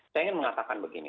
saya ingin mengatakan begini